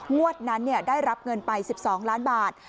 งวดนั้นได้รับเงินไป๑๒ล้านบาท